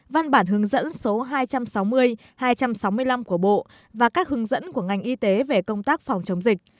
văn bản hướng dẫn số hai trăm sáu mươi hai trăm sáu mươi năm của bộ và các hướng dẫn của ngành y tế về công tác phòng chống dịch